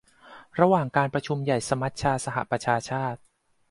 ระหว่างการประชุมใหญ่สมัชชาสหประชาชาติ